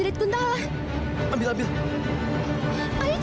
lihat burunganku salah